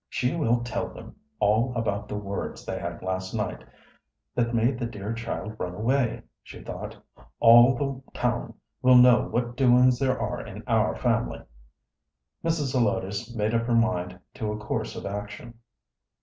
"She will tell them all about the words they had last night, that made the dear child run away," she thought. "All the town will know what doings there are in our family." Mrs. Zelotes made up her mind to a course of action.